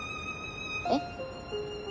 えっ？